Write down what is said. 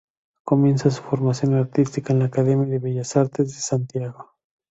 Comienza su formación artística en la Academia de Bellas Artes de Santiago.